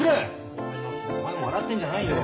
お前も笑ってんじゃないよ。